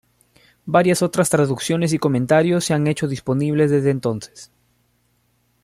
Varias otras traducciones y comentarios se han hecho disponibles desde entonces.